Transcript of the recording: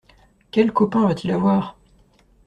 Quels copains va-t-il avoir?